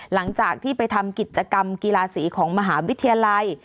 หลังจากที่ไปทำกิจกรรมกีฬาสีของมหาวิทยาลัย